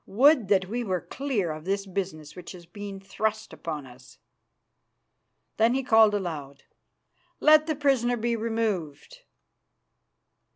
Would that we were clear of this business which has been thrust upon us." Then he called aloud, "Let the prisoner be removed."